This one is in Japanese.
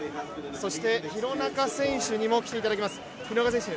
そして廣中選手にも来ていただきます